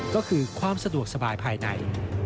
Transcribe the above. ก็คือความสะดวกสบายภายใน